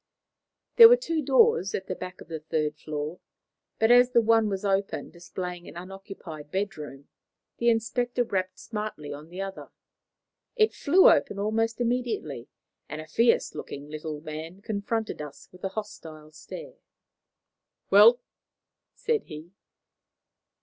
There were two doors at the back on the third floor, but as the one was open, displaying an unoccupied bedroom, the inspector rapped smartly on the other. It flew open almost immediately, and a fierce looking little man confronted us with a hostile stare. "Well?" said he.